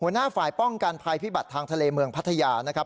หัวหน้าฝ่ายป้องกันภัยพิบัติทางทะเลเมืองพัทยานะครับ